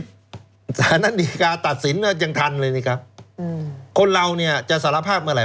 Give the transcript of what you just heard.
สถานท่านดีการณ์ตัดสินยังทันเลยนี่ครับอืมคนเราเนี่ยจะสารภาพเมื่อไหร่